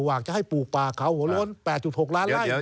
อยากจะให้ปลูกป่าเขาหัวโล้น๘๖ล้านไล่